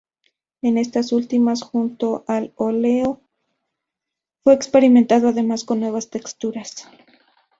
En estas últimas, junto al óleo, fue experimentando además con nuevas texturas.